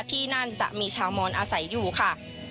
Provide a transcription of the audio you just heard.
ที่นั่นจะมีชาวมอนอาศัยอยู่ค่ะ